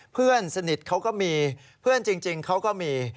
เพื่อนสนิทเขาก็มีเพื่อนจริงเขาก็มี